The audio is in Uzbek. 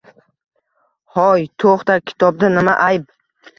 Hoy, to`xta, kitobda nima ayb